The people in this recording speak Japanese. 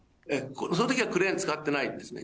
そのときはクレーン使ってないんですね。